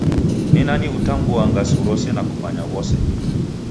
Nani utambua ngasu rose na kumanya ghose?